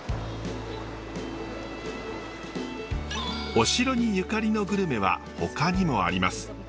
お城にゆかりのグルメはほかにもあります。